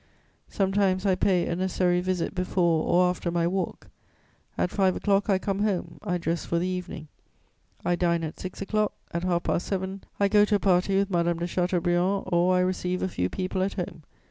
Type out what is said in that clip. Sometimes I pay a necessary visit before or after my walk; at five o'clock, I come home; I dress for the evening; I dine at six o'clock; at half past seven, I go to a party with Madame de Chateaubriand, or I receive a few people at home.